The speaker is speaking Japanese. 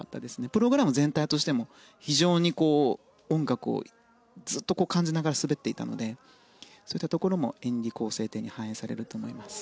プログラム全体としても非常に音楽をずっと感じながら滑っていたのでそういったところも演技構成点に反映されると思います。